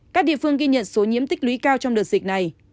các địa phương ghi nhận số nhiễm tích lũy cao trong đợt dịch này